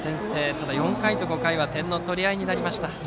ただ、４回と５回は点の取り合いになりました。